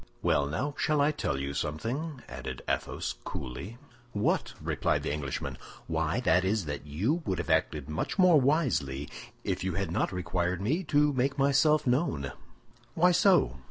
"Well! now shall I tell you something?" added Athos, coolly. "What?" replied the Englishman. "Why, that is that you would have acted much more wisely if you had not required me to make myself known." "Why so?"